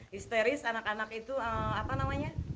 histeris anak anak itu apa namanya